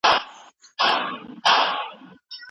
د کرني په برخه کي نوي ټیکنالوژي کارول کیده.